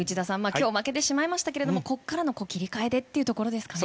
今日負けてしまいましたがここからの切り替えでというところですかね。